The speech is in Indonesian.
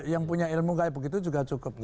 yang punya ilmu kayak begitu juga cukup